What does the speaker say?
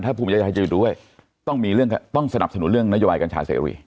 ต้องมีเรื่องต้องสนับสนุนเรื่องนโยบายกัญชาเศรษฐวิ